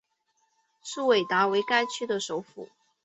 苏韦达为该区的首府。